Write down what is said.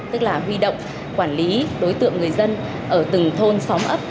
tức là huy động quản lý đối tượng người dân ở từng thôn xóm ấp